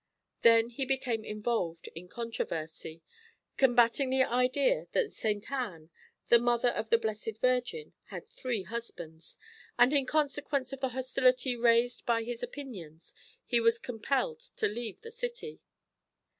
Then he became involved in controversy, combating the idea that St. Anne, the mother of the Blessed Virgin, had three husbands, and in consequence of the hostility raised by his opinions he was compelled to leave the city.